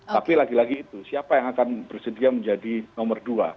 tapi lagi lagi itu siapa yang akan bersedia menjadi nomor dua